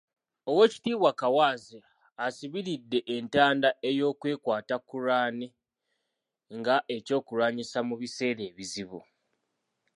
Owekitiibwa Kaawaase abasibiridde entanda ey'okwekwata Quran nga eky'okulwanyisa mu biseera ebizibu.